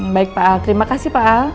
baik pak al terima kasih pak al